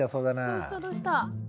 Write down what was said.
どうしたどうした？